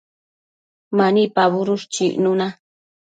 Mani pabudush chicnuna